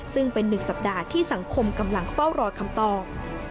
ซึ่งเป็น๑สัปดาห์ที่สังคมกำลังเฝ้ารอคำตอบ